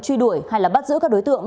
truy đuổi hay là bắt giữ các đối tượng